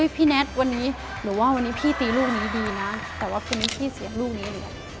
พี่แนทวันนี้หรือว่าวันนี้พี่ตีลูกนี้ดีนะแต่ว่าพี่นี้พี่เสียลูกนี้ดี